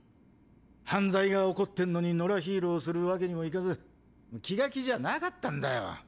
犯罪が起こってんのに野良ヒーローするわけにもいかず気が気じゃなかったんだよ。